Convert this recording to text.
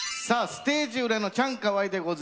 ステージ裏のチャンカワイでございます。